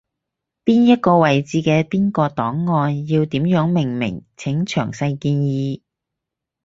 邊一個位置嘅邊個檔案要點樣命名，請詳細建議